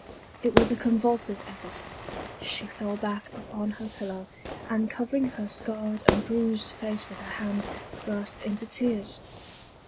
It was a convulsive effort. She fell back upon her pillow, and covering her scarred and bruised face with her hands, burst into tears.